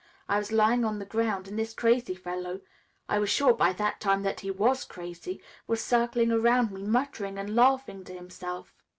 I was lying on the ground and this crazy fellow I was sure by that time that he was crazy was circling around me, muttering and laughing to himself.